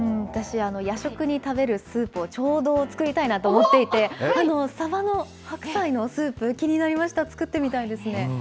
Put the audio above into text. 私、夜食に食べるスープをちょうど作りたいなと思っていて、サバの白菜のスープ、気になりました、作ってみたいですね。